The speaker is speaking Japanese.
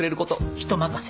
人任せ。